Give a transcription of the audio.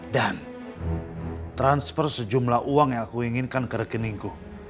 dan transfer sejumlah uang yang aku inginkan ke rekeningku